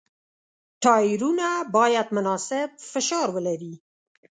ټایرونه باید مناسب فشار ولري.